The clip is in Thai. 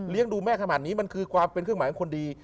ดูแม่ขนาดนี้มันคือความเป็นเครื่องหมายของคนดี